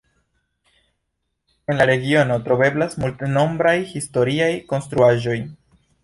En la regiono troveblas multnombraj historiaj konstruaĵoj.